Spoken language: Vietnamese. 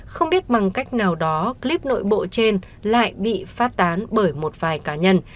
không biết bằng cách nào đó clip nội bộ trên lại bị phát tán bởi một vài cá nhân